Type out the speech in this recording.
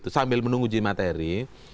sambil menunggu uji materi